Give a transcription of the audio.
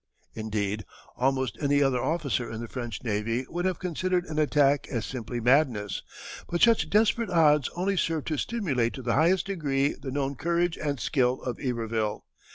Indeed, almost any other officer in the French navy would have considered an attack as simply madness, but such desperate odds only served to stimulate to the highest degree the known courage and skill of Iberville.